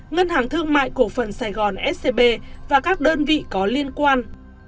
ngân hàng thương mại cổ phần saigon scb và các đơn vị có liên quan